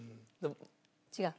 「違う」。